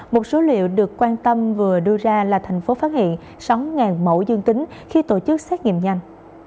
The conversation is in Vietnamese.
một số liệu được quan tâm vừa đưa ra là thành phố phát hiện sáu mẫu dương tính khi tổ chức xét nghiệm nhanh